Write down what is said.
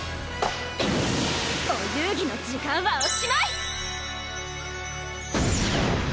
お遊戯の時間はおしまい！